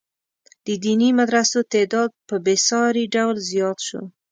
د دیني مدرسو تعداد په بې ساري ډول زیات شو.